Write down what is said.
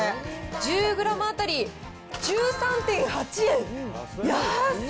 １０グラム当たり１３．８円。